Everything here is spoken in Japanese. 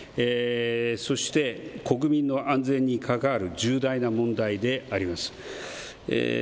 そして国民の安全に関わる重大な問題であります。